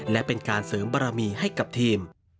และเป็นการเสริมบารมีให้กับทีม